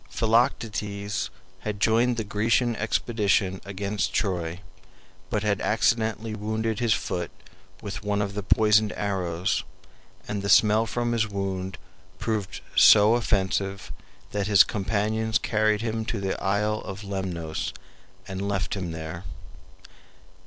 Philoctetes had joined the Grecian expedition against Troy, but had accidentally wounded his foot with one of the poisoned arrows, and the smell from his wound proved so offensive that his companions carried him to the isle of Lemnos and left him there.